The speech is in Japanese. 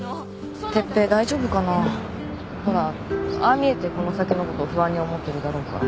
見えてこの先のこと不安に思ってるだろうから。